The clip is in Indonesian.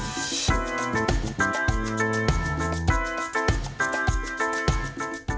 kalian apa yang berlaku